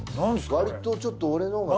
わりとちょっと俺のが。